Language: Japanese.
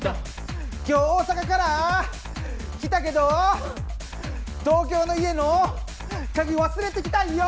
今日大阪から来たけど東京の家の鍵忘れてきたんよ。